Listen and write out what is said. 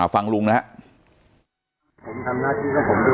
ฟังลุงนะครับ